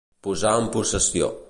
Posar en possessió.